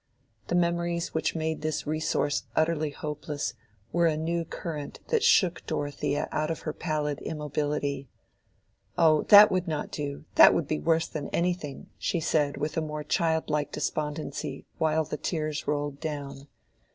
The memories which made this resource utterly hopeless were a new current that shook Dorothea out of her pallid immobility. "Oh, that would not do—that would be worse than anything," she said with a more childlike despondency, while the tears rolled down.